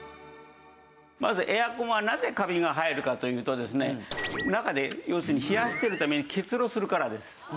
まずエアコンはなぜカビが生えるかというとですね中で要するに冷やしてるために結露するからです。